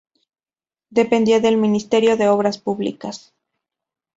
Dependía del Ministerio de Obras Públicas.